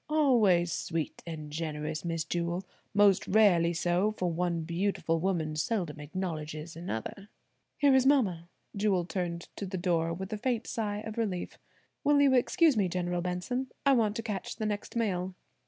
Always sweet and generous, Miss Jewel, most rarely so, for one beautiful woman seldom acknowledges another." "Here is mama." Jewel turned to the door with a faint sigh of relief. "Will you excuse me, General Benson, I want to catch the next mail?"